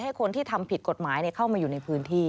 ให้คนที่ทำผิดกฎหมายเข้ามาอยู่ในพื้นที่